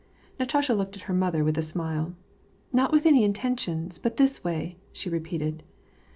Natasha looked at her mother with a smile. "Not with any intentions, but this way," she repeated.